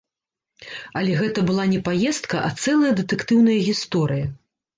Але гэта была не паездка, а цэлая дэтэктыўная гісторыя.